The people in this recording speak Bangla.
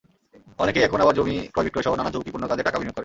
অনেকেই এখন আবার জমি ক্রয়-বিক্রয়সহ নানা ঝুঁকিপূর্ণ কাজে টাকা বিনিয়োগ করেন।